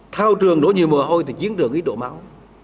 thao trường đổ nhiều mồ hôi thì chiến trường ít đổ máu